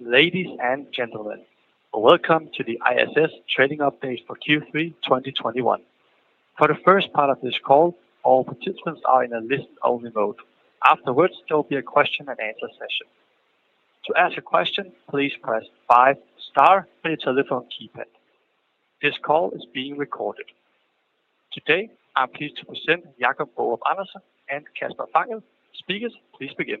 Ladies and gentlemen, welcome to the ISS trading update for Q3 2021. For the 1st part of this call, all participants are in a listen-only mode. Afterwards, there will be a question and answer session. To ask a question, please press five star on your telephone keypad. This call is being recorded. Today, I'm pleased to present Jacob Aarup-Andersen and Kasper Fangel. Speakers, please begin.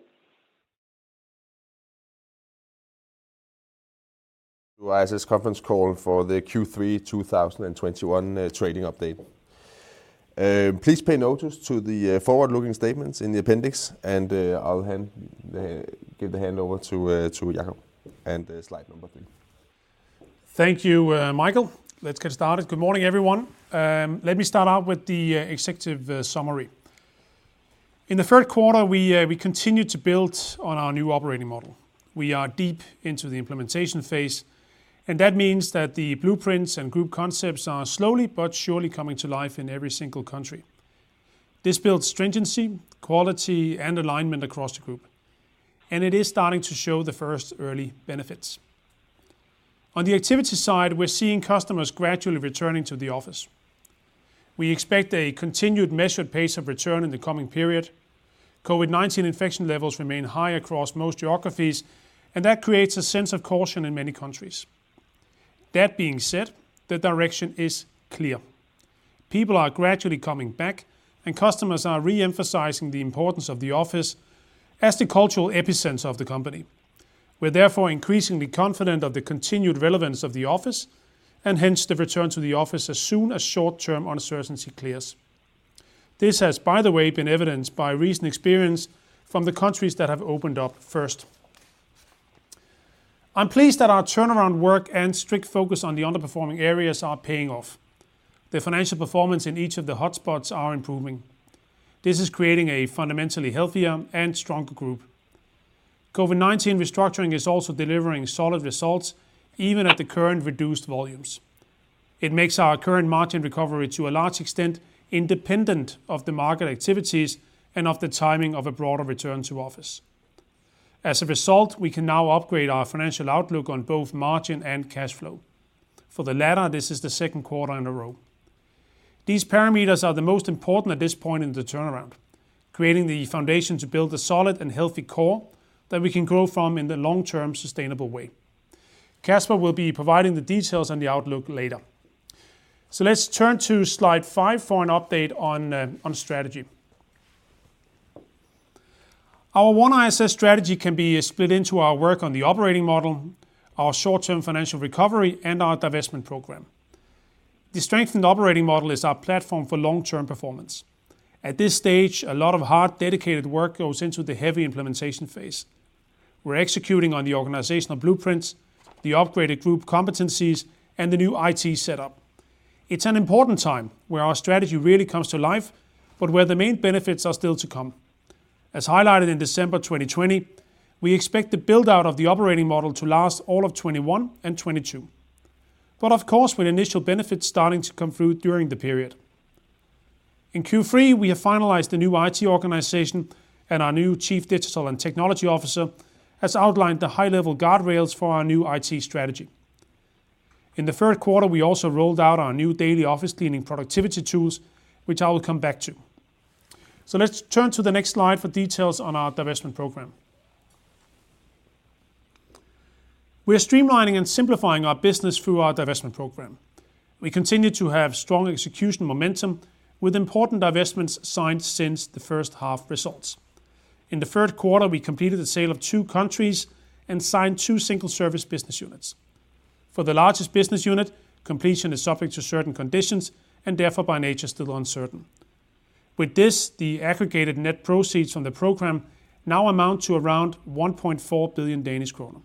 ISS conference call for the Q3 2021 trading update. Please take notice to the forward-looking statements in the appendix, and I'll hand over to Jacob. Slide number three. Thank you, Michael. Let's get started. Good morning, everyone. Let me start out with the executive summary. In the Q3, we continued to build on our new operating model. We are deep into the implementation phase, and that means that the blueprints and group concepts are slowly but surely coming to life in every single country. This builds stringency, quality, and alignment across the group, and it is starting to show the first early benefits. On the activity side, we're seeing customers gradually returning to the office. We expect a continued measured pace of return in the coming period. COVID-19 infection levels remain high across most geographies, and that creates a sense of caution in many countries. That being said, the direction is clear. People are gradually coming back, and customers are re-emphasizing the importance of the office as the cultural epicenter of the company. We're therefore increasingly confident of the continued relevance of the office and hence the return to the office as soon as short-term uncertainty clears. This has, by the way, been evidenced by recent experience from the countries that have opened up first. I'm pleased that our turnaround work and strict focus on the underperforming areas are paying off. The financial performance in each of the hotspots are improving. This is creating a fundamentally healthier and stronger group. COVID-19 restructuring is also delivering solid results even at the current reduced volumes. It makes our current margin recovery, to a large extent, independent of the market activities and of the timing of a broader return to office. As a result, we can now upgrade our financial outlook on both margin and cash flow. For the latter, this is the Q2 in a row. These parameters are the most important at this point in the turnaround, creating the foundation to build a solid and healthy core that we can grow from in the long term sustainable way. Kasper will be providing the details on the outlook later. Let's turn to slide five for an update on strategy. Our OneISS strategy can be split into our work on the operating model, our short-term financial recovery, and our divestment program. The strengthened operating model is our platform for long-term performance. At this stage, a lot of hard, dedicated work goes into the heavy implementation phase. We're executing on the organizational blueprints, the upgraded group competencies, and the new IT setup. It's an important time where our strategy really comes to life, but where the main benefits are still to come. As highlighted in December 2020, we expect the build-out of the operating model to last all of 2021 and 2022, but of course, with initial benefits starting to come through during the period. In Q3, we have finalized the new IT organization, and our new Chief Digital and Technology Officer has outlined the high-level guardrails for our new IT strategy. In the Q3, we also rolled out our new daily office cleaning productivity tools, which I will come back to. Let's turn to the next slide for details on our divestment program. We are streamlining and simplifying our business through our divestment program. We continue to have strong execution momentum with important divestments signed since the first half results. In the Q3, we completed the sale of two countries and signed two single service business units. For the largest business unit, completion is subject to certain conditions and therefore by nature still uncertain. With this, the aggregated net proceeds from the program now amount to around 1.4 billion Danish kroner.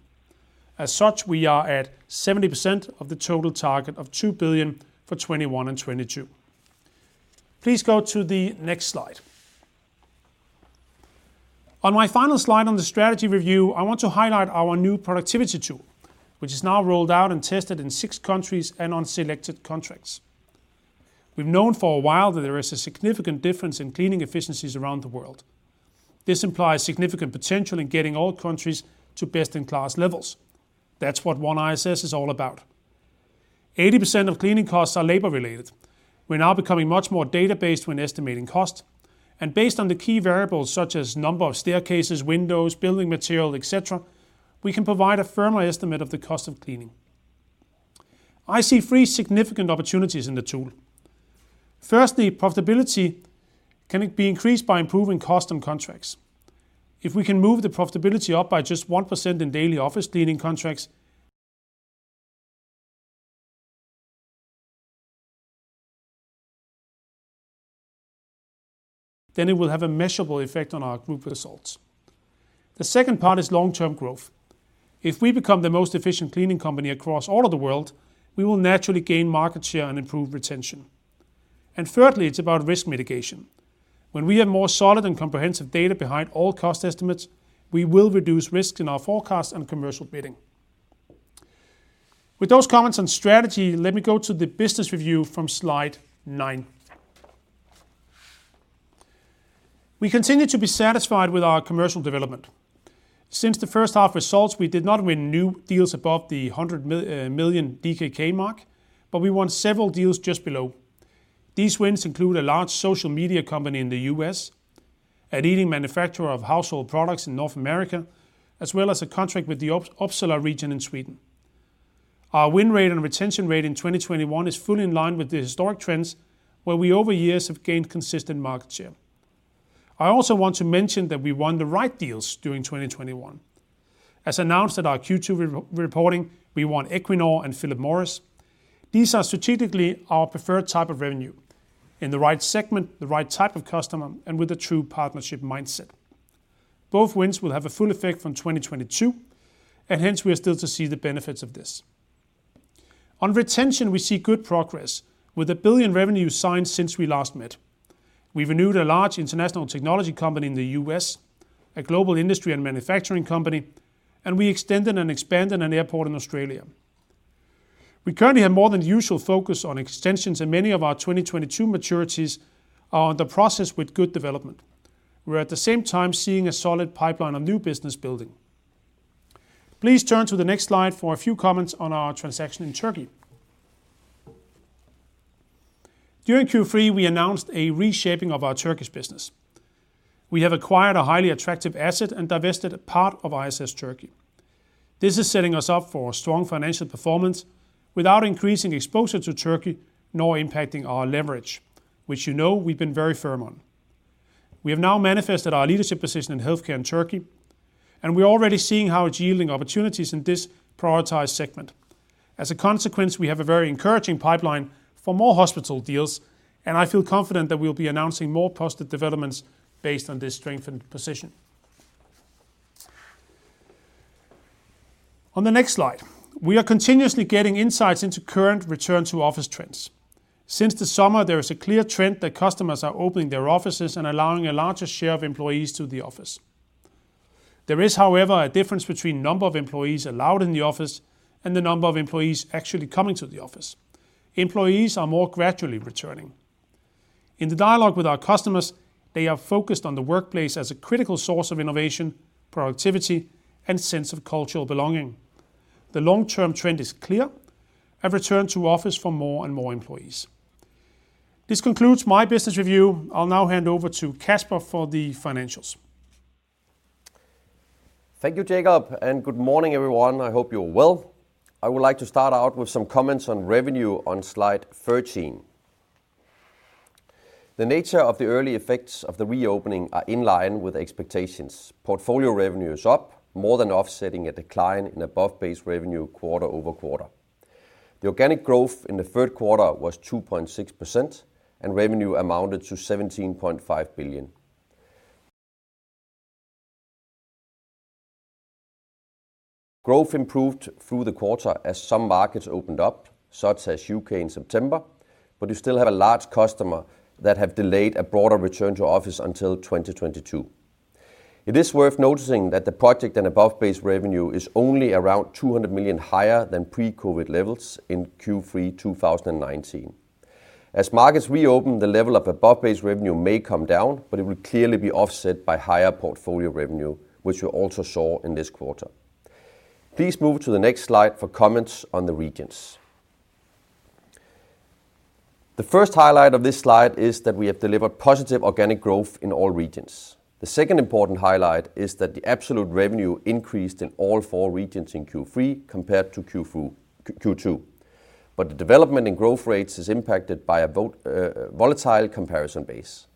As such, we are at 70% of the total target of 2 billion for 2021 and 2022. Please go to the next slide. On my final slide on the strategy review, I want to highlight our new productivity tool, which is now rolled out and tested in six countries and on selected contracts. We've known for a while that there is a significant difference in cleaning efficiencies around the world. This implies significant potential in getting all countries to best-in-class levels. That's what OneISS is all about. 80% of cleaning costs are labor-related. We're now becoming much more data-based when estimating cost. Based on the key variables such as number of staircases, windows, building material, et cetera, we can provide a firmer estimate of the cost of cleaning. I see three significant opportunities in the tool. Firstly, profitability can be increased by improving cost and contracts. If we can move the profitability up by just 1% in daily office cleaning contracts, then it will have a measurable effect on our group results. The second part is long-term growth. If we become the most efficient cleaning company across all of the world, we will naturally gain market share and improve retention. Thirdly, it's about risk mitigation. When we have more solid and comprehensive data behind all cost estimates, we will reduce risks in our forecast and commercial bidding. With those comments on strategy, let me go to the business review from slide nine. We continue to be satisfied with our commercial development. Since the first half results, we did not win new deals above the 100 million DKK mark, but we won several deals just below. These wins include a large social media company in the US, a leading manufacturer of household products in North America, as well as a contract with the Uppsala region in Sweden. Our win rate and retention rate in 2021 is fully in line with the historic trends where we over years have gained consistent market share. I also want to mention that we won the right deals during 2021. As announced at our Q2 re-reporting, we won Equinor and Philip Morris. These are strategically our preferred type of revenue in the right segment, the right type of customer, and with a true partnership mindset. Both wins will have a full effect from 2022, and hence we are still to see the benefits of this. On retention, we see good progress with 1 billion revenue signed since we last met. We renewed a large international technology company in the US, a global industry and manufacturing company, and we extended and expanded an airport in Australia. We currently have more than usual focus on extensions, and many of our 2022 maturities are in the process with good development. We're at the same time seeing a solid pipeline on new business building. Please turn to the next slide for a few comments on our transaction in Turkey. During Q3, we announced a reshaping of our Turkish business. We have acquired a highly attractive asset and divested a part of ISS Turkey. This is setting us up for strong financial performance without increasing exposure to Turkey, nor impacting our leverage, which you know we've been very firm on. We have now manifested our leadership position in healthcare in Turkey, and we're already seeing how it's yielding opportunities in this prioritized segment. As a consequence, we have a very encouraging pipeline for more hospital deals, and I feel confident that we'll be announcing more positive developments based on this strengthened position. On the next slide, we are continuously getting insights into current return to office trends. Since the summer, there is a clear trend that customers are opening their offices and allowing a larger share of employees to the office. There is, however, a difference between number of employees allowed in the office and the number of employees actually coming to the office. Employees are more gradually returning. In the dialogue with our customers, they are focused on the workplace as a critical source of innovation, productivity, and sense of cultural belonging. The long-term trend is clear, a return to office for more and more employees. This concludes my business review. I'll now hand over to Kasper for the financials. Thank you, Jacob, and good morning, everyone. I hope you are well. I would like to start out with some comments on revenue on slide 13. The nature of the early effects of the reopening are in line with expectations. Portfolio revenue is up, more than offsetting a decline in above-base revenue quarter-over-quarter. The organic growth in the Q3 was 2.6%, and revenue amounted to 17.5 billion. Growth improved through the quarter as some markets opened up, such as UK in September, but you still have a large customer that have delayed a broader return to office until 2022. It is worth noticing that the project and above-base revenue is only around 200 million higher than pre-COVID levels in Q3 2019. As markets reopen, the level of above-base revenue may come down, but it will clearly be offset by higher portfolio revenue, which you also saw in this quarter. Please move to the next slide for comments on the regions. The 1st highlight of this slide is that we have delivered positive organic growth in all regions. The 2nd important highlight is that the absolute revenue increased in all four regions in Q3 compared to Q2. The development in growth rates is impacted by a volatile comparison base.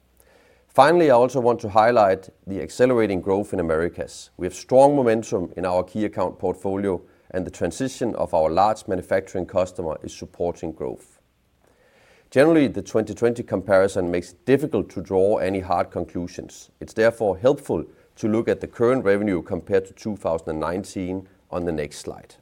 Finally, I also want to highlight the accelerating growth in Americas. We have strong momentum in our key account portfolio, and the transition of our large manufacturing customer is supporting growth. Generally, the 2020 comparison makes it difficult to draw any hard conclusions. It's therefore helpful to look at the current revenue compared to 2019 on the next slide.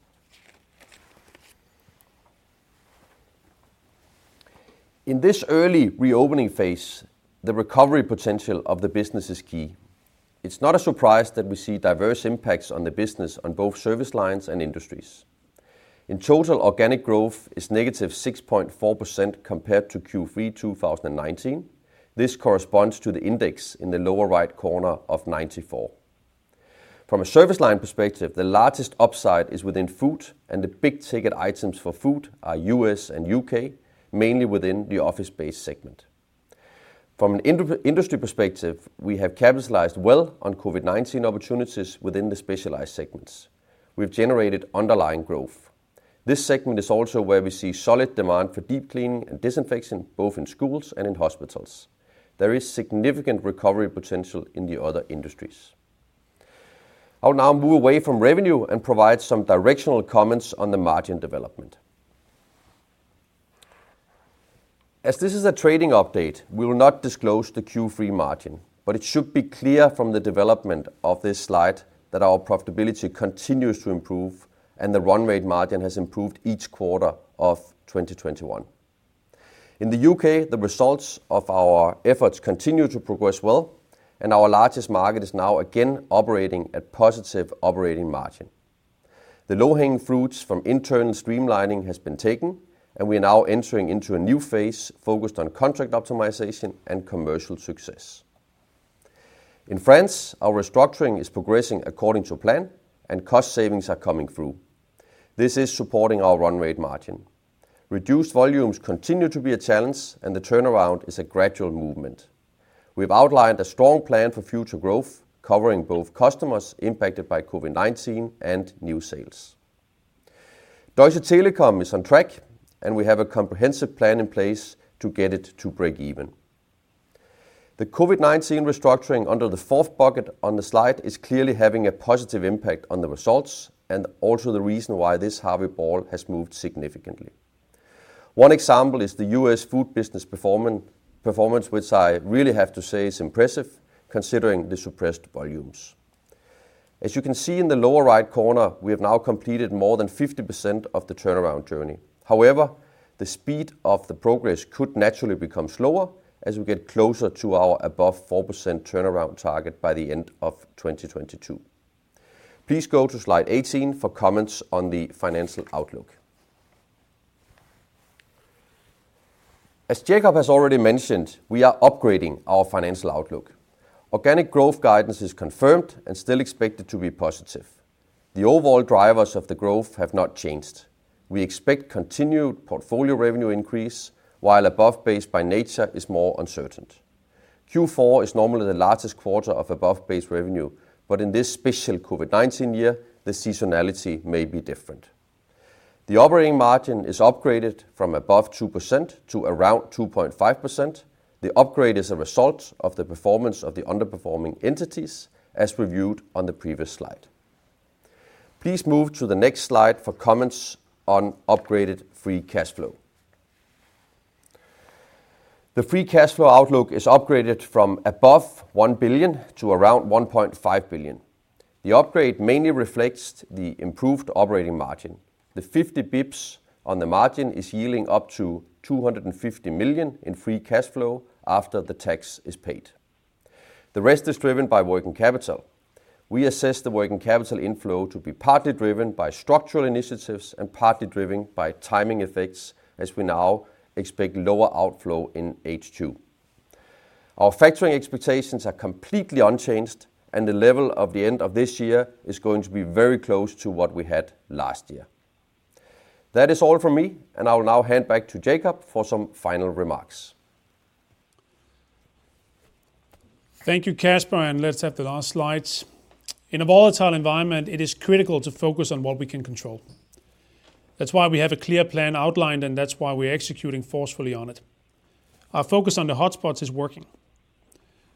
In this early reopening phase, the recovery potential of the business is key. It's not a surprise that we see diverse impacts on the business on both service lines and industries. In total, organic growth is -6.4% compared to Q3 2019. This corresponds to the index in the lower right corner of 94. From a service line perspective, the largest upside is within food, and the big-ticket items for food are US and UK, mainly within the office-based segment. From an industry perspective, we have capitalized well on COVID-19 opportunities within the specialized segments. We've generated underlying growth. This segment is also where we see solid demand for deep cleaning and disinfection, both in schools and in hospitals. There is significant recovery potential in the other industries. I will now move away from revenue and provide some directional comments on the margin development. As this is a trading update, we will not disclose the Q3 margin, but it should be clear from the development of this slide that our profitability continues to improve, and the run rate margin has improved each quarter of 2021. In the UK, the results of our efforts continue to progress well, and our largest market is now again operating at positive operating margin. The low-hanging fruits from internal streamlining has been taken, and we are now entering into a new phase focused on contract optimization and commercial success. In France, our restructuring is progressing according to plan, and cost savings are coming through. This is supporting our run rate margin. Reduced volumes continue to be a challenge, and the turnaround is a gradual movement. We've outlined a strong plan for future growth, covering both customers impacted by COVID-19 and new sales. Deutsche Telekom is on track, and we have a comprehensive plan in place to get it to break even. The COVID-19 restructuring under the fourth bucket on the slide is clearly having a positive impact on the results and also the reason why this Harvey ball has moved significantly. One example is the US Food business performance, which I really have to say is impressive considering the suppressed volumes. As you can see in the lower right corner, we have now completed more than 50% of the turnaround journey. However, the speed of the progress could naturally become slower as we get closer to our above 4% turnaround target by the end of 2022. Please go to slide 18 for comments on the financial outlook. As Jacob has already mentioned, we are upgrading our financial outlook. Organic growth guidance is confirmed and still expected to be positive. The overall drivers of the growth have not changed. We expect continued portfolio revenue increase, while above base by nature is more uncertain. Q4 is normally the largest quarter of above-base revenue, but in this special COVID-19 year, the seasonality may be different. The operating margin is upgraded from above 2% to around 2.5%. The upgrade is a result of the performance of the underperforming entities, as reviewed on the previous slide. Please move to the next slide for comments on upgraded free cash flow. The free cash flow outlook is upgraded from above 1 billion to around 1.5 billion. The upgrade mainly reflects the improved operating margin. The 50 basis points on the margin is yielding up to 250 million in free cash flow after the tax is paid. The rest is driven by working capital. We assess the working capital inflow to be partly driven by structural initiatives and partly driven by timing effects as we now expect lower outflow in H2. Our factoring expectations are completely unchanged, and the level at the end of this year is going to be very close to what we had last year. That is all from me, and I will now hand back to Jacob for some final remarks. Thank you, Kasper, and let's have the last slide. In a volatile environment, it is critical to focus on what we can control. That's why we have a clear plan outlined, and that's why we're executing forcefully on it. Our focus on the hotspots is working.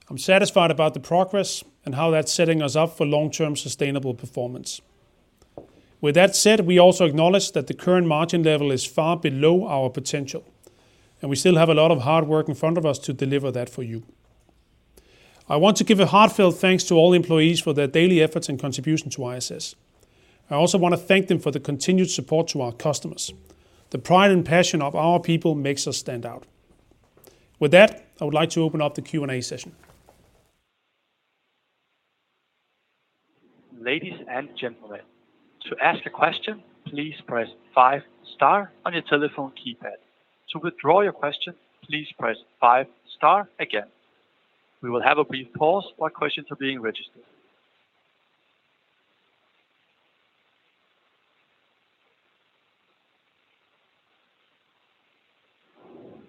I'm satisfied about the progress and how that's setting us up for long-term sustainable performance. With that said, we also acknowledge that the current margin level is far below our potential, and we still have a lot of hard work in front of us to deliver that for you. I want to give a heartfelt thanks to all employees for their daily efforts and contribution to ISS. I also want to thank them for the continued support to our customers. The pride and passion of our people makes us stand out. With that, I would like to open up the Q&A session.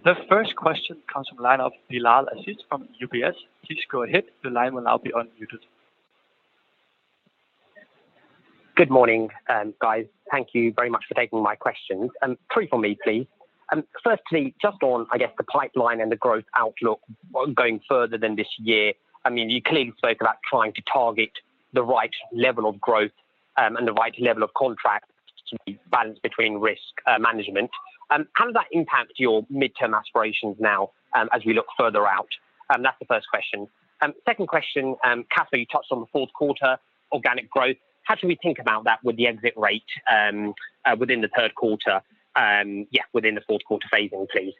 The 1st question comes from the line of Bilal Aziz from UBS. Please go ahead. The line will now be unmuted. Good morning, guys. Thank you very much for taking my questions. Three for me, please. Firstly, just on, I guess, the pipeline and the growth outlook going further than this year. I mean, you clearly spoke about trying to target the right level of growth, and the right level of contracts to balance between risk, management. How does that impact your midterm aspirations now, as we look further out? That's the 1st question. 2nd question, Kasper, you touched on the Q4 organic growth. How should we think about that with the exit rate within the Q3 within the Q4 phasing, please?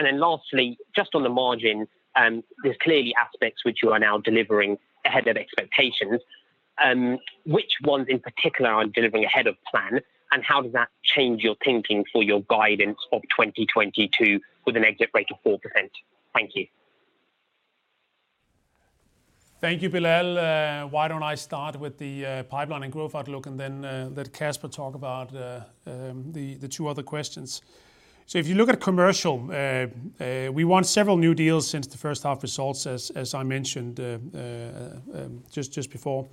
Lastly, just on the margin, there's clearly aspects which you are now delivering ahead of expectations. Which ones in particular are delivering ahead of plan, and how does that change your thinking for your guidance of 2022 with an exit rate of 4%? Thank you. Thank you, Bilal. Why don't I start with the pipeline and growth outlook and then let Kasper talk about the two other questions. If you look at commercial, we won several new deals since the first half results, as I mentioned just before.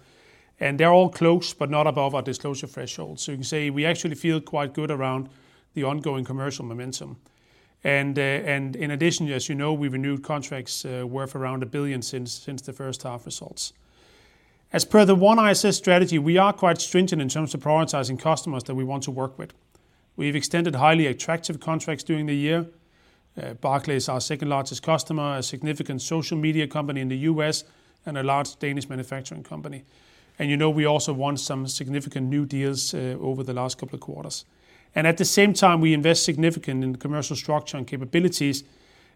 They're all close, but not above our disclosure threshold. You can say we actually feel quite good around the ongoing commercial momentum. In addition, as you know, we've renewed contracts worth around 1 billion since the first half results. As per the OneISS strategy, we are quite stringent in terms of prioritizing customers that we want to work with. We've extended highly attractive contracts during the year. Barclays, our second-largest customer, a significant social media company in the US, and a large Danish manufacturing company. You know, we also won some significant new deals over the last couple of quarters. At the same time, we invest significantly in commercial structure and capabilities,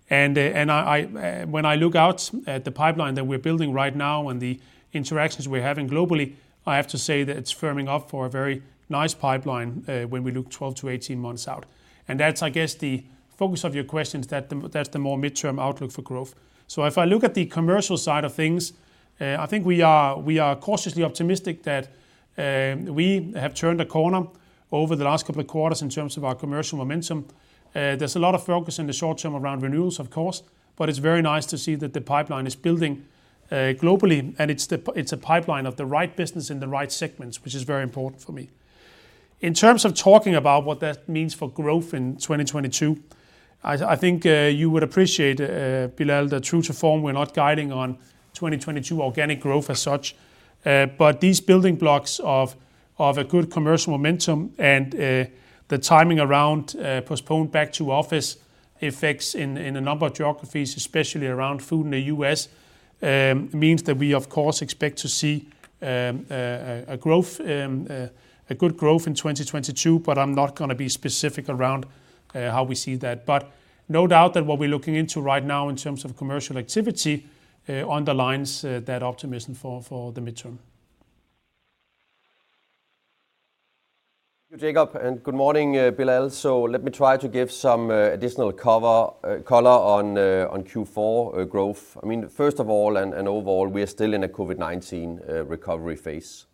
and I, when I look out at the pipeline that we're building right now and the interactions we're having globally, I have to say that it's firming up for a very nice pipeline, when we look 12-18 months out. That's, I guess, the focus of your question is that the, that's the more midterm outlook for growth. If I look at the commercial side of things, I think we are cautiously optimistic that we have turned a corner over the last couple of quarters in terms of our commercial momentum. There's a lot of focus in the short term around renewals, of course, but it's very nice to see that the pipeline is building globally. It's a pipeline of the right business in the right segments, which is very important for me. In terms of talking about what that means for growth in 2022, I think you would appreciate, Bilal, that true to form we're not guiding on 2022 organic growth as such. These building blocks of a good commercial momentum and the timing around postponed back to office effects in a number of geographies, especially around food in the US, means that we of course expect to see a good growth in 2022, but I'm not gonna be specific around how we see that. No doubt that what we're looking into right now in terms of commercial activity underlines that optimism for the midterm. Thank you, Jacob, and good morning, Bilal. Let me try to give some additional color on Q4 growth. I mean, first of all, overall, we are still in a COVID-19 recovery phase.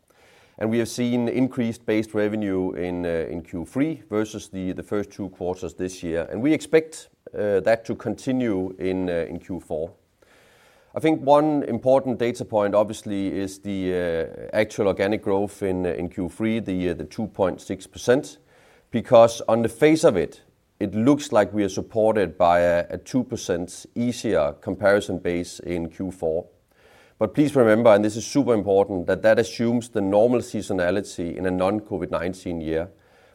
We have seen increased base revenue in Q3 versus the 1st Q2 this year. We expect that to continue in Q4. I think one important data point obviously is the actual organic growth in Q3, the 2.6%, because on the face of it looks like we are supported by a 2% easier comparison base in Q4. Please remember, and this is super important, that assumes the normal seasonality in a non-COVID-19 year,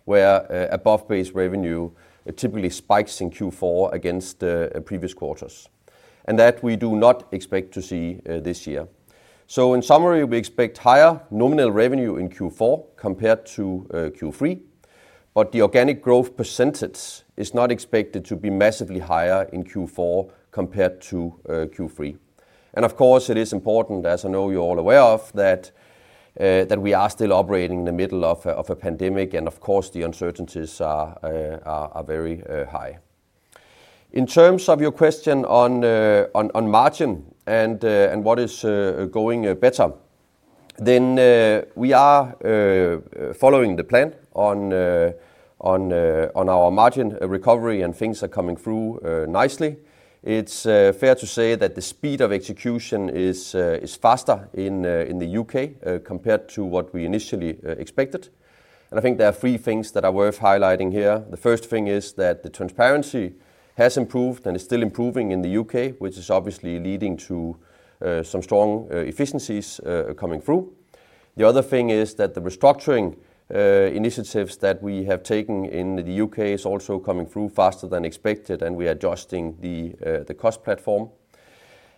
where above-base revenue typically spikes in Q4 against previous quarters, and that we do not expect to see this year. In summary, we expect higher nominal revenue in Q4 compared to Q3, but the organic growth percentage is not expected to be massively higher in Q4 compared to Q3. Of course, it is important, as I know you're all aware of, that we are still operating in the middle of a pandemic, and of course the uncertainties are very high. In terms of your question on margin and what is going better, we are following the plan on our margin recovery, and things are coming through nicely. It's fair to say that the speed of execution is faster in the UK compared to what we initially expected. I think there are three things that are worth highlighting here. The first thing is that the transparency has improved and is still improving in the UK, which is obviously leading to some strong efficiencies coming through. The other thing is that the restructuring initiatives that we have taken in the UK is also coming through faster than expected, and we are adjusting the cost platform.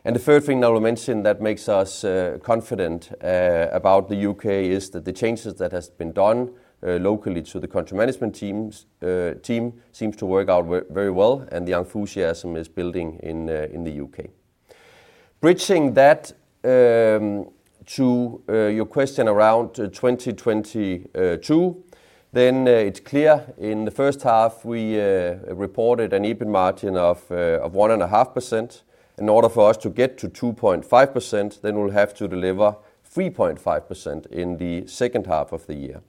The 3rd thing that I will mention that makes us confident about the UK is that the changes that has been done locally to the country management teams seems to work out very well, and the enthusiasm is building in the UK Bridging that to your question around 2022, then it's clear in the first half, we reported an EBIT margin of 1.5%. In order for us to get to 2.5%, then we'll have to deliver 3.5% in the second half of the year.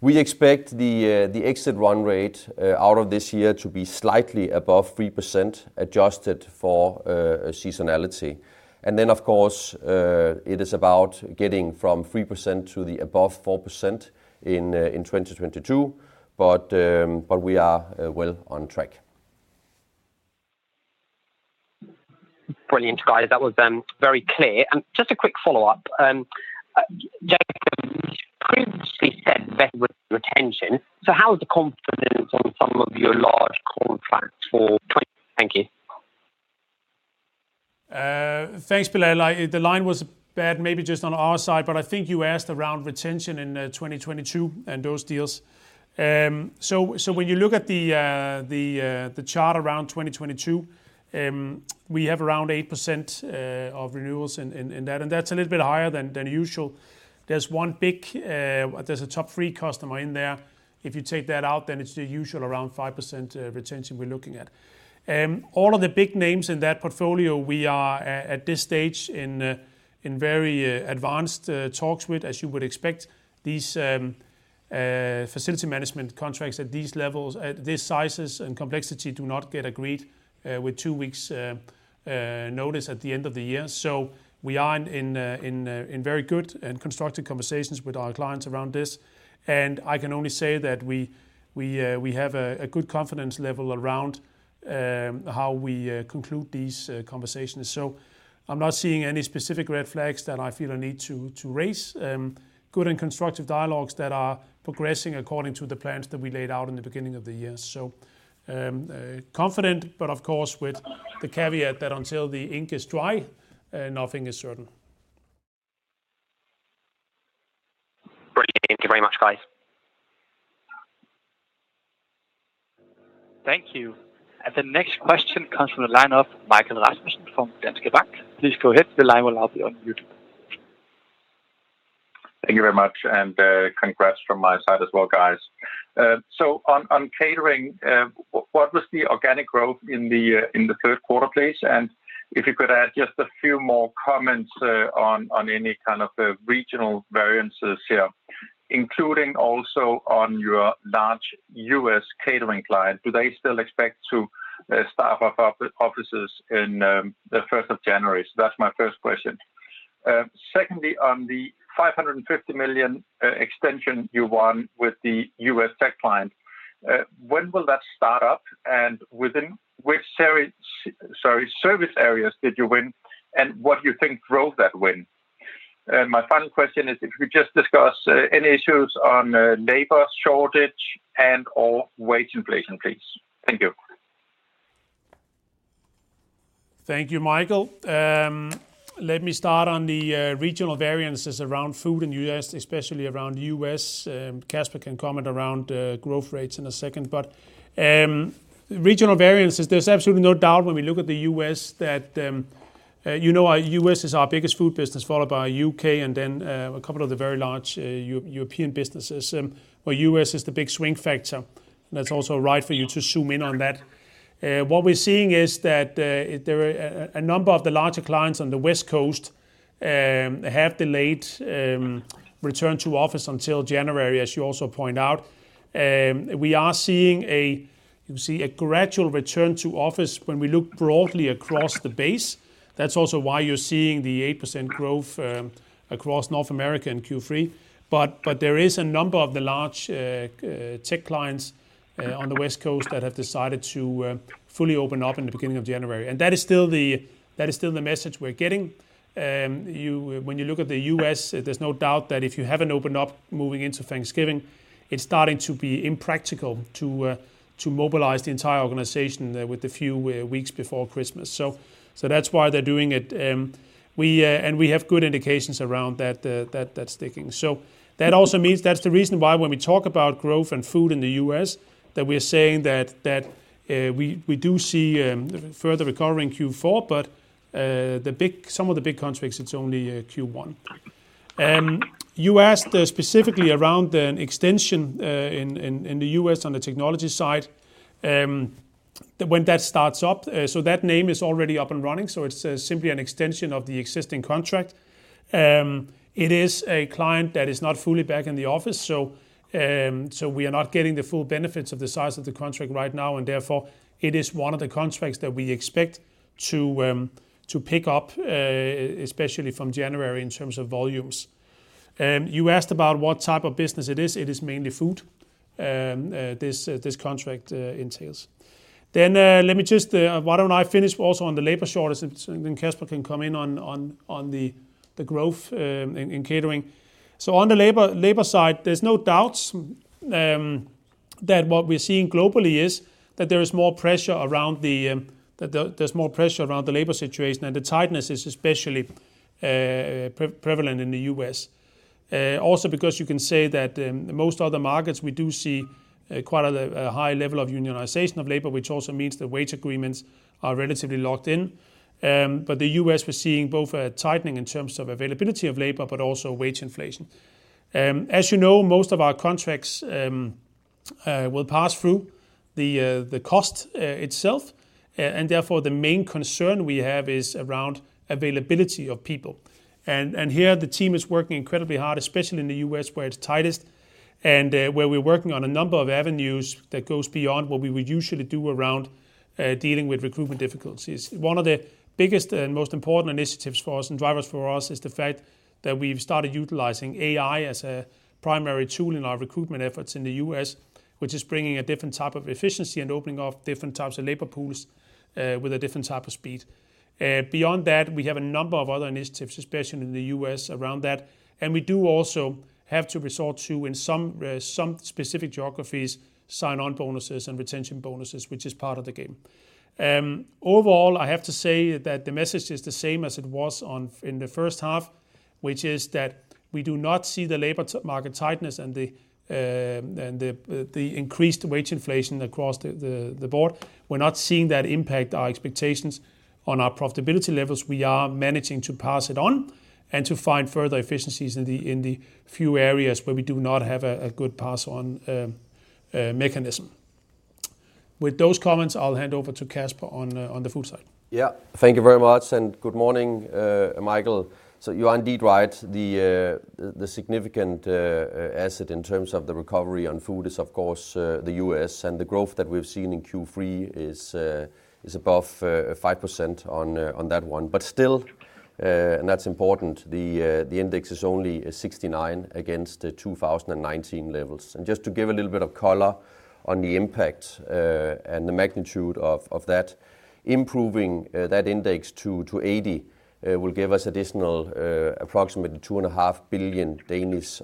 We expect the exit run rate out of this year to be slightly above 3%, adjusted for seasonality. Of course, it is about getting from 3% to the above 4% in 2022, but we are well on track. Brilliant, guys. That was very clear. Just a quick follow-up. Jacob, you previously said Beth was retention. How is the confidence on some of your large contracts for 20... Thank you. Thanks, Bilal. The line was bad maybe just on our side, but I think you asked around retention in 2022 and those deals. When you look at the chart around 2022, we have around 8% of renewals in that, and that's a little bit higher than usual. There's a top three customer in there. If you take that out, then it's the usual around 5% retention we're looking at. All of the big names in that portfolio, we are at this stage in very advanced talks with, as you would expect. These facility management contracts at these levels, at these sizes and complexity do not get agreed with two weeks' notice at the end of the year. We are in very good and constructive conversations with our clients around this. I can only say that we have a good confidence level around how we conclude these conversations. I'm not seeing any specific red flags that I feel a need to raise. Good and constructive dialogues that are progressing according to the plans that we laid out in the beginning of the year. Confident, but of course, with the caveat that until the ink is dry, nothing is certain. Thank you very much, guys. Thank you. The next question comes from the line of Michael Vitfell-Rasmussen from Danske Bank. Please go ahead. The line will now be unmuted. Thank you very much, and congrats from my side as well, guys. On catering, what was the organic growth in the Q3, please? If you could add just a few more comments on any kind of regional variances here, including also on your large US catering client. Do they still expect to staff up offices in the first of January? That's my first question. Secondly, on the 550 million extension you won with the US tech client, when will that start up? Within which service areas did you win, and what do you think drove that win? My final question is if you could just discuss any issues on labor shortage and/or wage inflation, please. Thank you. Thank you, Michael. Let me start on the regional variances around food in US, especially around US Kasper can comment around growth rates in a second. Regional variances, there's absolutely no doubt when we look at the US that you know, our US is our biggest food business, followed by UK and then a couple of the very large European businesses, where US is the big swing factor. That's also right for you to zoom in on that. What we're seeing is that there are a number of the larger clients on the West Coast have delayed return to office until January, as you also point out. We are seeing, you see, a gradual return to office when we look broadly across the base. That's also why you're seeing the 8% growth across North America in Q3. There is a number of the large tech clients on the West Coast that have decided to fully open up in the beginning of January. That is still the message we're getting. When you look at the US, there's no doubt that if you haven't opened up moving into Thanksgiving, it's starting to be impractical to mobilize the entire organization there with the few weeks before Christmas. That's why they're doing it. We have good indications around that that that's sticking. That also means that's the reason why when we talk about growth and food in the US, that we're saying that we do see further recovery in Q4, but some of the big contracts, it's only Q1. You asked specifically around an extension in the US on the technology side, when that starts up. That name is already up and running, so it's simply an extension of the existing contract. It is a client that is not fully back in the office, so we are not getting the full benefits of the size of the contract right now, and therefore, it is one of the contracts that we expect to pick up, especially from January in terms of volumes. You asked about what type of business it is. It is mainly food, this contract entails. Let me just, why don't I finish also on the labor shortage, and then Kasper can come in on the growth in catering. On the labor side, there's no doubts that what we're seeing globally is that there is more pressure around the labor situation, and the tightness is especially prevalent in the US Also because you can say that most other markets we do see quite a high level of unionization of labor, which also means the wage agreements are relatively locked in. The US, we're seeing both a tightening in terms of availability of labor, but also wage inflation. As you know, most of our contracts will pass through the cost itself, and therefore the main concern we have is around availability of people. Here the team is working incredibly hard, especially in the US where it's tightest and where we're working on a number of avenues that goes beyond what we would usually do around dealing with recruitment difficulties. One of the biggest and most important initiatives for us and drivers for us is the fact that we've started utilizing AI as a primary tool in our recruitment efforts in the US, which is bringing a different type of efficiency and opening up different types of labor pools with a different type of speed. Beyond that, we have a number of other initiatives, especially in the US around that. We do also have to resort to, in some specific geographies, sign-on bonuses and retention bonuses, which is part of the game. Overall, I have to say that the message is the same as it was in the first half, which is that we do not see the labor market tightness and the increased wage inflation across the board. We're not seeing that impact our expectations on our profitability levels. We are managing to pass it on and to find further efficiencies in the few areas where we do not have a good pass on mechanism. With those comments, I'll hand over to Kasper on the food side. Yeah. Thank you very much, and good morning, Michael. You are indeed right. The significant asset in terms of the recovery on food is of course, the US The growth that we've seen in Q3 is above 5% on that one. Still, and that's important, the index is only 69 against the 2019 levels. Just to give a little bit of color on the impact, and the magnitude of that, improving that index to 80 will give us additional approximately 2.5 billion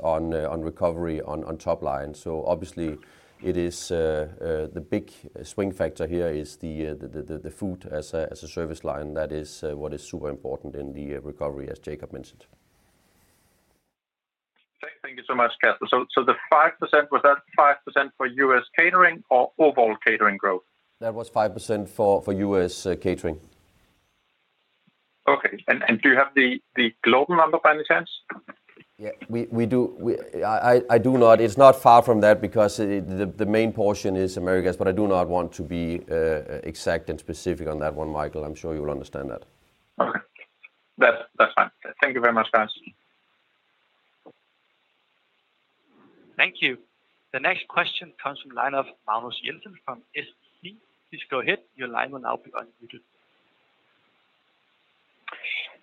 on recovery on top line. Obviously it is the big swing factor here is the food as a service line. That is what is super important in the recovery, as Jacob mentioned. Thank you so much, Kasper. The 5%, was that 5% for US catering or overall catering growth? That was 5% for US catering. Okay. Do you have the global number by any chance? Yeah, we do. I do not. It's not far from that because the main portion is Americas, but I do not want to be exact and specific on that one, Michael. I'm sure you'll understand that. Okay. That's fine. Thank you very much, guys. Thank you. The next question comes from the line of Magnus Jensen from SEB. Please go ahead, your line will now be unmuted.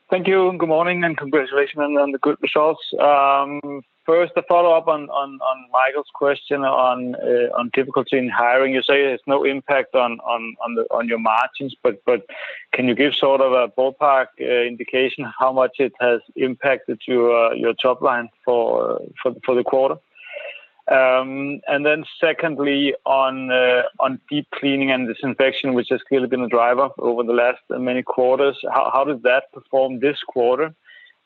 Thank you, and good morning, and congratulations on the good results. 1st, a follow-up on Michael's question on difficulty in hiring. You say it has no impact on your margins, but can you give sort of a ballpark indication how much it has impacted your top line for the quarter? Secondly, on deep cleaning and disinfection, which has clearly been a driver over the last many quarters, how does that perform this quarter?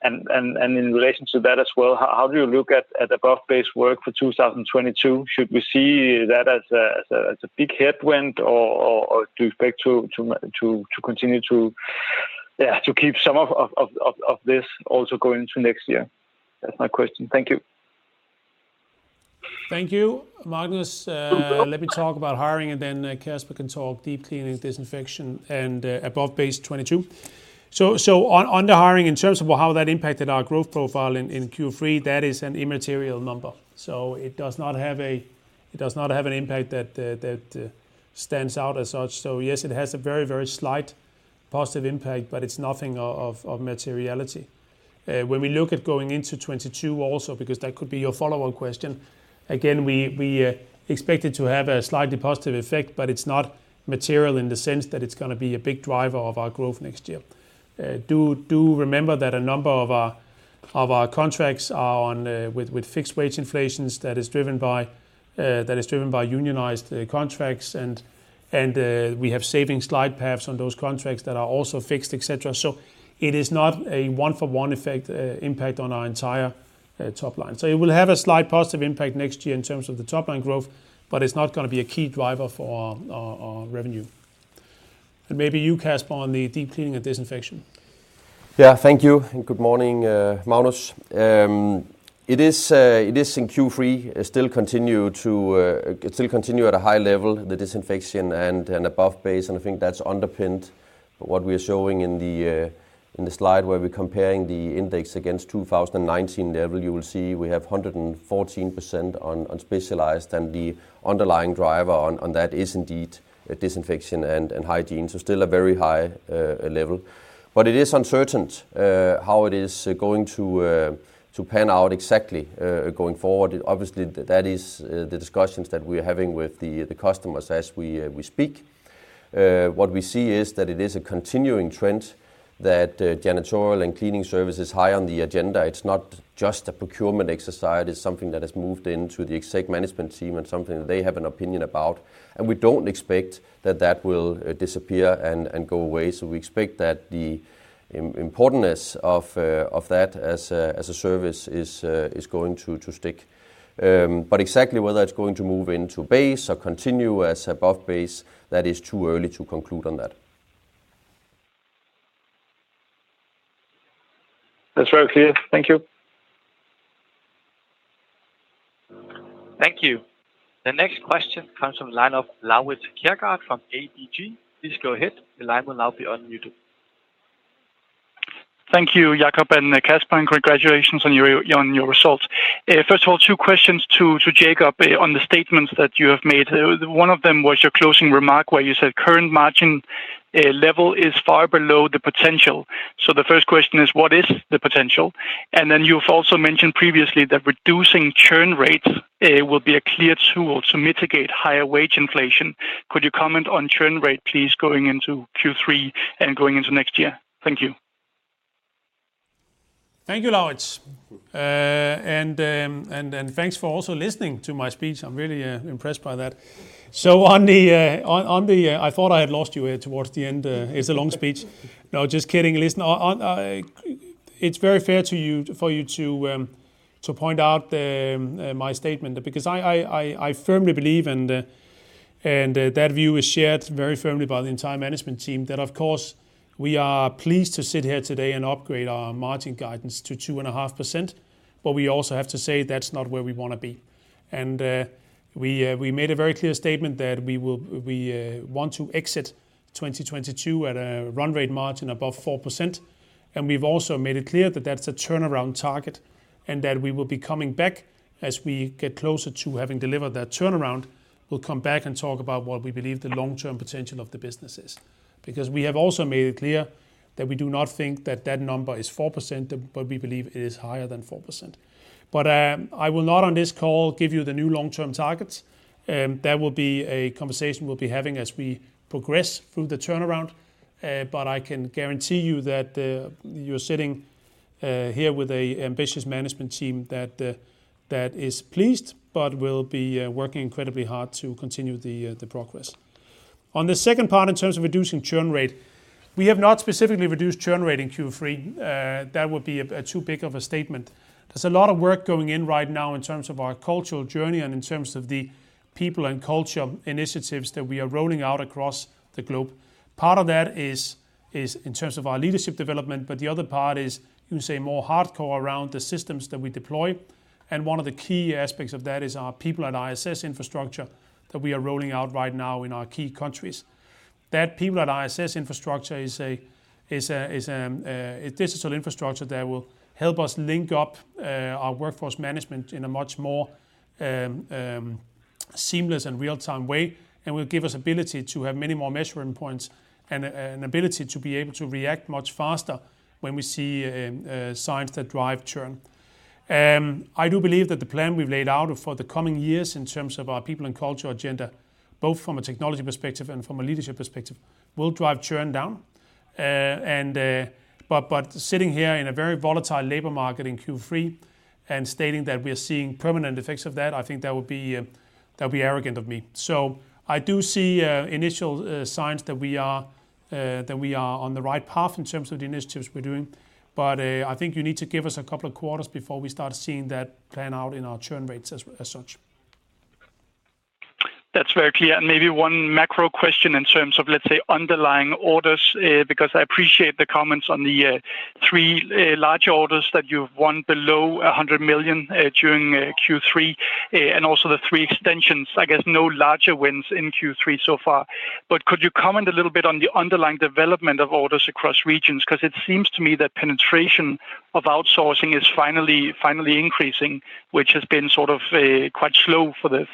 In relation to that as well, how do you look at above-base work for 2022? Should we see that as a big headwind or do you expect to continue to, yeah, to keep some of this also going into next year? That's my question. Thank you. Thank you. Magnus, let me talk about hiring and then Kasper can talk deep cleaning, disinfection, and above base 2022. On the hiring, in terms of how that impacted our growth profile in Q3, that is an immaterial number. It does not have an impact that stands out as such. Yes, it has a very slight positive impact, but it's nothing of materiality. When we look at going into 2022 also, because that could be your follow-on question, again, we expect it to have a slightly positive effect, but it's not material in the sense that it's gonna be a big driver of our growth next year. Do remember that a number of our contracts are on with fixed wage inflations that is driven by unionized contracts and we have savings slide paths on those contracts that are also fixed, et cetera. It is not a one for one effect impact on our entire top line. It will have a slight positive impact next year in terms of the top line growth, but it's not gonna be a key driver for our revenue. Maybe you, Kasper, on the deep cleaning and disinfection. Yeah. Thank you, and good morning, Magnus. It is in Q3. It still continues to at a high level, the disinfection and above base, and I think that's underpinned what we're showing in the slide where we're comparing the index against 2019 level. You will see we have 114% on specialized, and the underlying driver on that is indeed disinfection and hygiene. Still a very high level. It is uncertain how it is going to pan out exactly going forward. That is the discussions that we're having with the customers as we speak. What we see is that it is a continuing trend that janitorial and cleaning service is high on the agenda. It's not just a procurement exercise, it's something that has moved into the exec management team and something that they have an opinion about, and we don't expect that will disappear and go away. We expect that the importantness of that as a service is going to stick. Exactly whether it's going to move into base or continue as above base, that is too early to conclude on that. That's very clear. Thank you. Thank you. The next question comes from the line of Laurits Kjærgaard from ABG. Please go ahead. The line will now be unmuted. Thank you, Jacob and Kasper, and congratulations on your results. 1st of all, two questions to Jacob on the statements that you have made. One of them was your closing remark where you said current margin level is far below the potential. The 1st question is what is the potential? Then you've also mentioned previously that reducing churn rate will be a clear tool to mitigate higher wage inflation. Could you comment on churn rate, please, going into Q3 and going into next year? Thank you. Thank you, Laurits. Thanks for also listening to my speech. I'm really impressed by that. I thought I had lost you towards the end. It's a long speech. No, just kidding. Listen, it's very fair for you to point out my statement because I firmly believe and that view is shared very firmly by the entire management team that, of course, we are pleased to sit here today and upgrade our margin guidance to 2.5%, but we also have to say that's not where we wanna be. We made a very clear statement that we want to exit 2022 at a run rate margin above 4%. We've also made it clear that that's a turnaround target, and that we will be coming back as we get closer to having delivered that turnaround. We'll come back and talk about what we believe the long-term potential of the business is. Because we have also made it clear that we do not think that that number is 4%, but we believe it is higher than 4%. I will not on this call give you the new long-term targets. That will be a conversation we'll be having as we progress through the turnaround. I can guarantee you that you're sitting here with a ambitious management team that is pleased but will be working incredibly hard to continue the progress. On the 2nd part, in terms of reducing churn rate. We have not specifically reduced churn rate in Q3. That would be too big of a statement. There's a lot of work going on right now in terms of our cultural journey and in terms of the people and culture initiatives that we are rolling out across the globe. Part of that is in terms of our leadership development, but the other part is you say more hardcore around the systems that we deploy. One of the key aspects of that is our people at ISS infrastructure that we are rolling out right now in our key countries. That people at ISS infrastructure is digital infrastructure that will help us link up our workforce management in a much more seamless and real-time way, and will give us ability to have many more measuring points and an ability to be able to react much faster when we see signs that drive churn. I do believe that the plan we've laid out for the coming years in terms of our people and culture agenda, both from a technology perspective and from a leadership perspective, will drive churn down. Sitting here in a very volatile labor market in Q3 and stating that we are seeing permanent effects of that, I think that would be arrogant of me. I do see initial signs that we are on the right path in terms of the initiatives we're doing. I think you need to give us a couple of quarters before we start seeing that play out in our churn rates as such. That's very clear. Maybe one macro question in terms of, let's say, underlying orders, because I appreciate the comments on the three large orders that you've won below 100 million during Q3, and also the three extensions. I guess no larger wins in Q3 so far. Could you comment a little bit on the underlying development of orders across regions? Because it seems to me that penetration of outsourcing is finally increasing, which has been sort of quite slow for the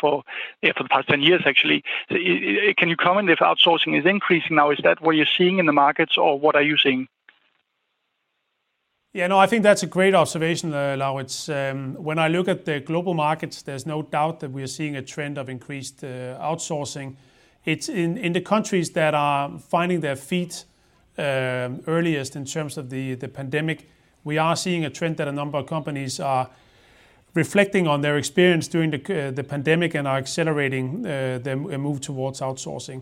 past 10 years actually. Can you comment if outsourcing is increasing now? Is that what you're seeing in the markets, or what are you seeing? Yeah, no, I think that's a great observation there, Laurits. When I look at the global markets, there's no doubt that we are seeing a trend of increased outsourcing. It's in the countries that are finding their feet earliest in terms of the pandemic. We are seeing a trend that a number of companies are reflecting on their experience during the pandemic and are accelerating a move towards outsourcing.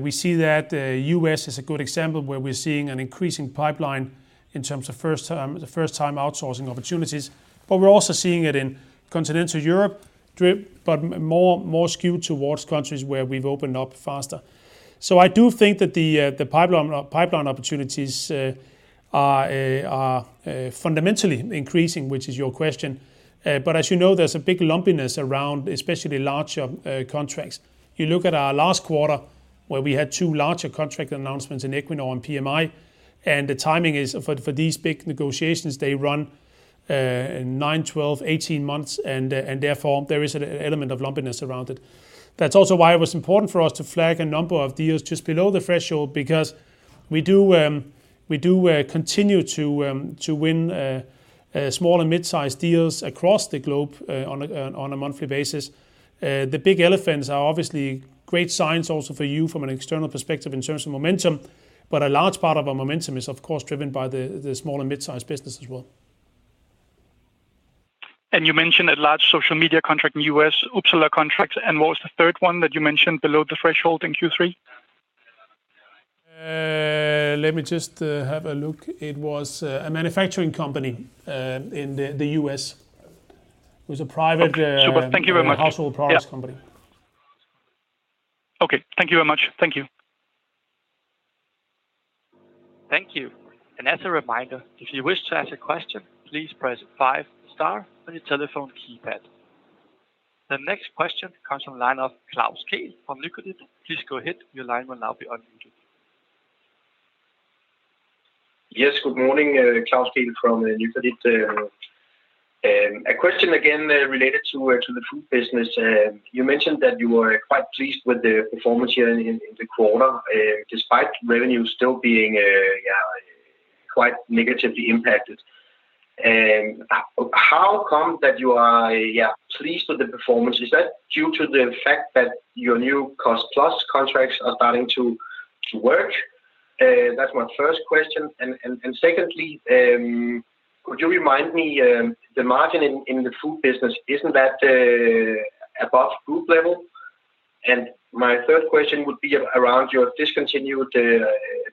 We see that US is a good example where we're seeing an increasing pipeline in terms of first-time outsourcing opportunities. But we're also seeing it in continental Europe, more skewed towards countries where we've opened up faster. I do think that the pipeline opportunities are fundamentally increasing, which is your question. As you know, there's a big lumpiness around especially larger contracts. You look at our last quarter where we had two larger contract announcements in Equinor and PMI, and the timing is for these big negotiations. They run nine, 12, 18 months, and therefore there is an element of lumpiness around it. That's also why it was important for us to flag a number of deals just below the threshold because we do continue to win small and mid-sized deals across the globe on a monthly basis. The big elephants are obviously great signs also for you from an external perspective in terms of momentum, but a large part of our momentum is of course driven by the small and mid-sized business as well. You mentioned a large social media contract in US, Uppsala contract, and what was the third one that you mentioned below the threshold in Q3? Let me just have a look. It was a manufacturing company in the US It was a private Okay. Super. Thank you very much. Household products company. Yeah. Okay. Thank you very much. Thank you. Thank you. As a reminder, if you wish to ask a question, please press five star on your telephone keypad. The next question comes from line of Klaus Kehl from Nykredit. Please go ahead. Your line will now be unmuted. Yes. Good morning. Klaus Kehl from Nykredit. A question again related to the food business. You mentioned that you were quite pleased with the performance here in the quarter, despite revenue still being quite negatively impacted. How come that you are pleased with the performance? Is that due to the fact that your new cost plus contracts are starting to work? That's my first question. Secondly, could you remind me the margin in the food business, isn't that above group level? My 3rd question would be around your discontinued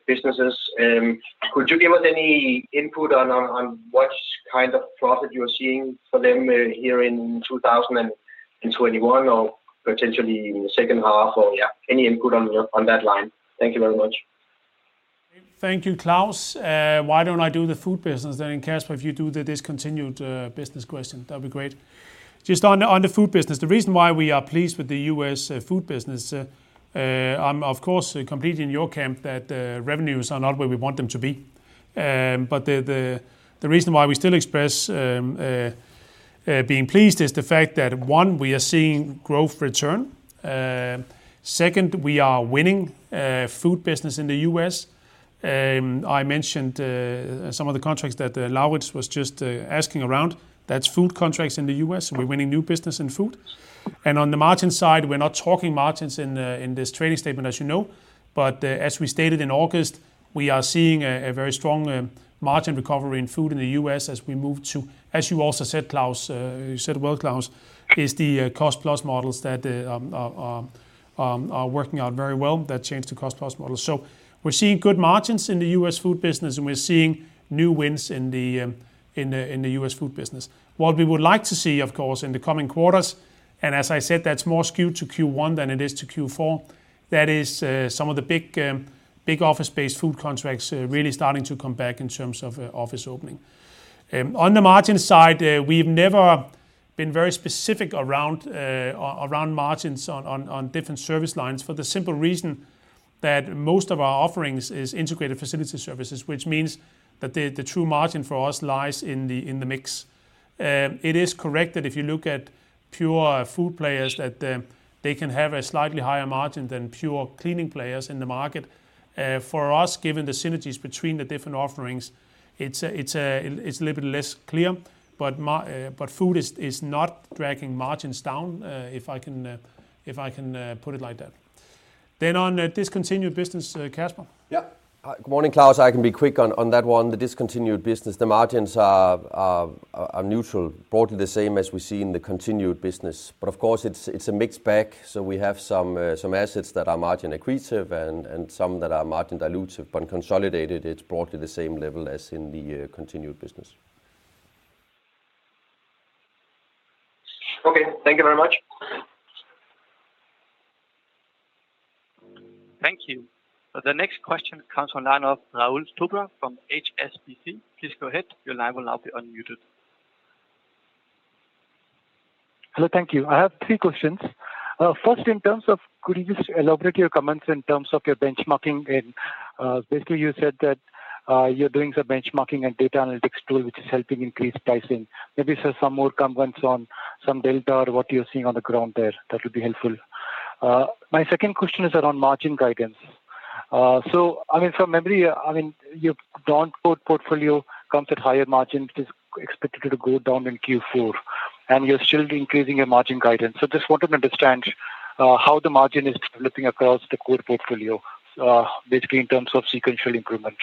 businesses. Could you give us any input on what kind of profit you are seeing for them here in 2021 or potentially in the second half or, yeah, any input on that line? Thank you very much. Thank you, Klaus. Why don't I do the food business then, and Kasper, if you do the discontinued business question, that'd be great. Just on the food business. The reason why we are pleased with the US food business, I'm of course completely in your camp that revenues are not where we want them to be. But the reason why we still express being pleased is the fact that, one, we are seeing growth return. 2nd, we are winning food business in the US I mentioned some of the contracts that Laurits was just asking around. That's food contracts in the US We're winning new business in food. On the margin side, we're not talking margins in this trading statement, as you know. As we stated in August, we are seeing a very strong margin recovery in food in the US as we move to, as you also said, Klaus, the cost plus models that are working out very well, that change to cost plus model. We're seeing good margins in the US food business, and we're seeing new wins in the US food business. What we would like to see, of course, in the coming quarters, and as I said, that's more skewed to Q1 than it is to Q4. That is, some of the big office-based food contracts really starting to come back in terms of office opening. On the margin side, we've never been very specific around margins on different service lines for the simple reason that most of our offerings is integrated facility services, which means that the true margin for us lies in the mix. It is correct that if you look at pure food players that they can have a slightly higher margin than pure cleaning players in the market. For us, given the synergies between the different offerings, it's a little bit less clear. But food is not dragging margins down, if I can put it like that. On discontinued business, Kasper. Yeah. Good morning, Claus. I can be quick on that one. The discontinued business, the margins are neutral, broadly the same as we see in the continued business. Of course, it's a mixed bag, so we have some assets that are margin accretive and some that are margin dilutive, but consolidated, it's broadly the same level as in the continued business. Okay. Thank you very much. Thank you. The next question comes from the line of Rahul Totla from HSBC. Please go ahead. Your line will now be unmuted. Hello. Thank you. I have three questions. 1st, in terms of could you just elaborate your comments in terms of your benchmarking and, basically you said that, you're doing some benchmarking and data analytics tool, which is helping increase pricing. Maybe say some more comments on some delta or what you're seeing on the ground there. That would be helpful. My 2nd question is around margin guidance. I mean, from memory, I mean, your non-core portfolio comes at higher margins, is expected to go down in Q4, and you're still increasing your margin guidance. Just want to understand, how the margin is developing across the core portfolio, basically in terms of sequential improvements.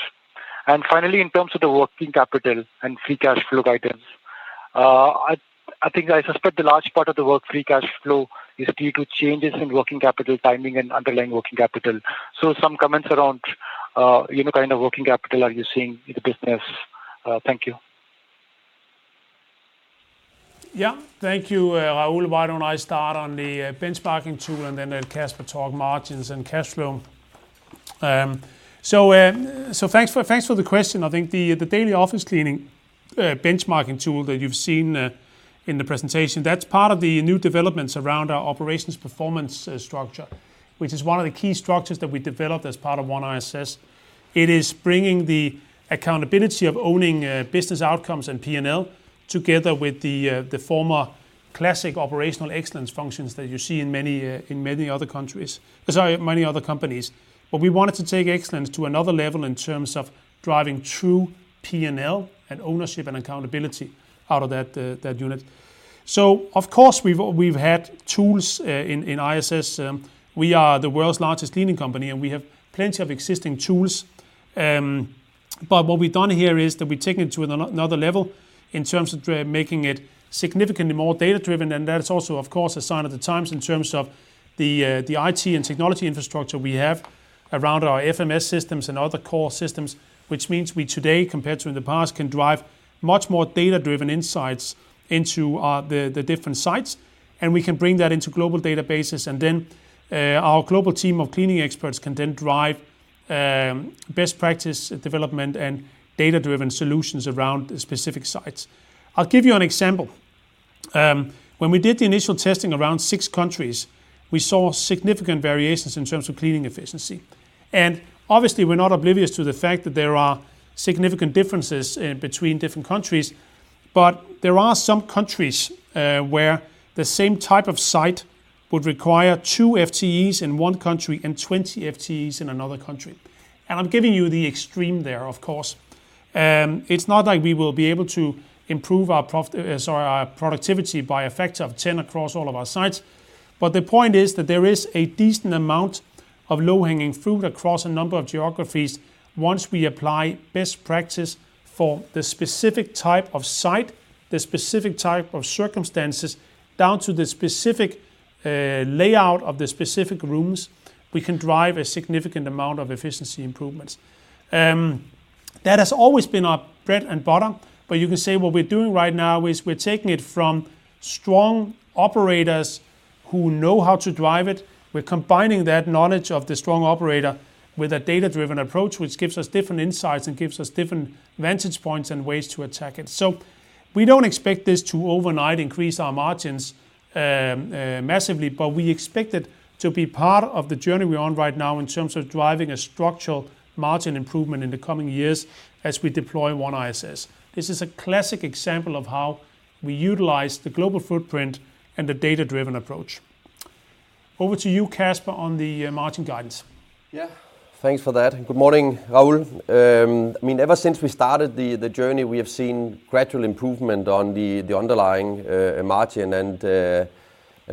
Finally, in terms of the working capital and free cash flow guidance, I think I suspect the large part of the weak free cash flow is due to changes in working capital timing and underlying working capital. Some comments around, you know, kind of working capital. Are you seeing in the business. Thank you. Thank you, Rahul. Why don't I start on the benchmarking tool and then Kasper talk margins and cash flow. Thanks for the question. I think the daily office cleaning benchmarking tool that you've seen in the presentation, that's part of the new developments around our operations performance structure, which is one of the key structures that we developed as part of OneISS. It is bringing the accountability of owning business outcomes and P&L together with the former classic operational excellence functions that you see in many other companies. Sorry, many other companies. We wanted to take excellence to another level in terms of driving true P&L and ownership and accountability out of that unit. Of course, we've had tools in ISS. We are the world's largest cleaning company, and we have plenty of existing tools. What we've done here is that we've taken it to another level in terms of making it significantly more data-driven. That is also, of course, a sign of the times in terms of the IT and technology infrastructure we have around our FMS systems and other core systems, which means we today, compared to in the past, can drive much more data-driven insights into the different sites, and we can bring that into global databases. Our global team of cleaning experts can then drive best practice development and data-driven solutions around specific sites. I'll give you an example. When we did the initial testing around six countries, we saw significant variations in terms of cleaning efficiency. Obviously, we're not oblivious to the fact that there are significant differences between different countries. There are some countries where the same type of site would require two FTEs in one country and 20 FTEs in another country. I'm giving you the extreme there, of course. It's not like we will be able to improve our productivity by a factor of ten across all of our sites. The point is that there is a decent amount of low-hanging fruit across a number of geographies. Once we apply best practice for the specific type of site, the specific type of circumstances, down to the specific layout of the specific rooms, we can drive a significant amount of efficiency improvements. That has always been our bread and butter. You can say what we're doing right now is we're taking it from strong operators who know how to drive it. We're combining that knowledge of the strong operator with a data-driven approach, which gives us different insights and gives us different vantage points and ways to attack it. We don't expect this to overnight increase our margins massively, but we expect it to be part of the journey we're on right now in terms of driving a structural margin improvement in the coming years as we deploy OneISS. This is a classic example of how we utilize the global footprint and the data-driven approach. Over to you, Kasper, on the margin guidance. Yeah. Thanks for that. Good morning, Rahul. I mean, ever since we started the journey, we have seen gradual improvement on the underlying margin, and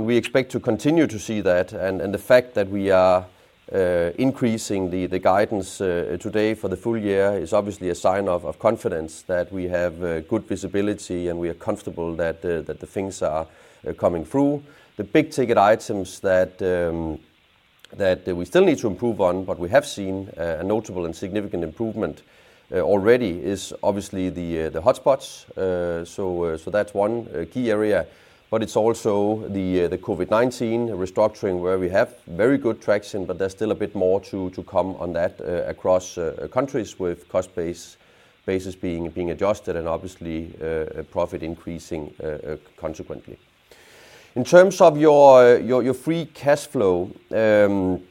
we expect to continue to see that. The fact that we are increasing the guidance today for the full year is obviously a sign of confidence that we have good visibility, and we are comfortable that the things are coming through. The big-ticket items that we still need to improve on but we have seen a notable and significant improvement already is obviously the hotspots. So that's one key area. It's also the COVID-19 restructuring where we have very good traction, but there's still a bit more to come on that across countries with cost bases being adjusted and obviously profit increasing consequently. In terms of your free cash flow, I mean,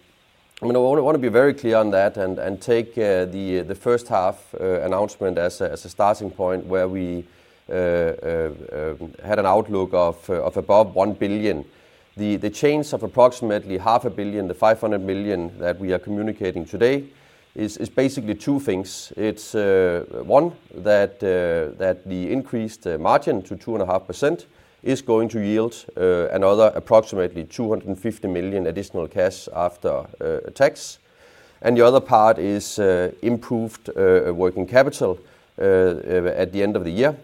I wanna be very clear on that and take the first half announcement as a starting point where we had an outlook of above 1 billion. The change of approximately half a billion DKK to 500 million that we are communicating today is basically two things. It's one that the increased margin to 2.5% is going to yield another approximately 250 million additional cash after tax. The other part is improved working capital at the end of the year,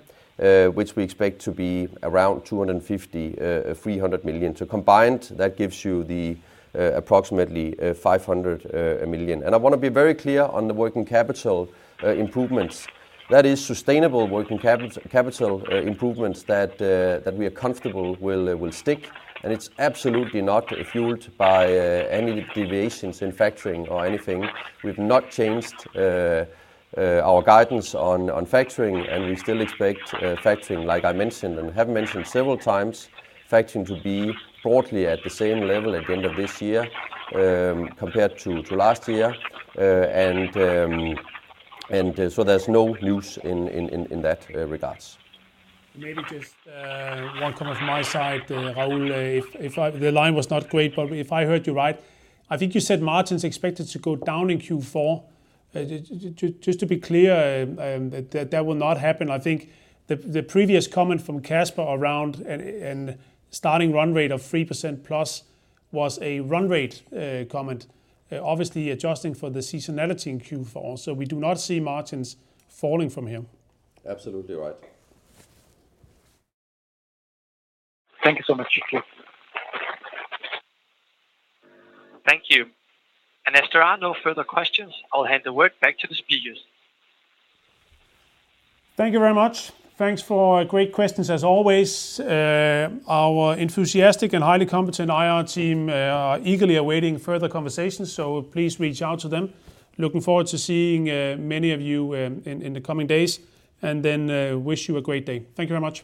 which we expect to be around 250 million-300 million. Combined, that gives you the approximately 500 million. I wanna be very clear on the working capital improvements. That is sustainable working capital improvements that we are comfortable will stick, and it's absolutely not fueled by any deviations in factoring or anything. We've not changed our guidance on factoring, and we still expect factoring, like I mentioned and have mentioned several times, to be broadly at the same level at the end of this year, compared to last year. There's no news in that regard. Maybe just one comment from my side, Raul. The line was not great, but if I heard you right, I think you said margin's expected to go down in Q4. Just to be clear, that will not happen. I think the previous comment from Kasper around starting run rate of 3% plus was a run rate comment, obviously adjusting for the seasonality in Q4. We do not see margins falling from here. Absolutely right. Thank you so much. Thank you. Thank you. As there are no further questions, I'll hand the word back to the speakers. Thank you very much. Thanks for great questions as always. Our enthusiastic and highly competent IR team are eagerly awaiting further conversations, so please reach out to them. Looking forward to seeing many of you in the coming days, and then wish you a great day. Thank you very much.